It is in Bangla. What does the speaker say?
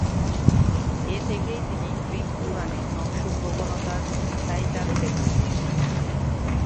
এ থেকেই তিনি গ্রিক পুরাণে ধ্বংস প্রবণতার টাইটান দেবতা।